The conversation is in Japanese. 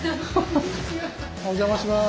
お邪魔します。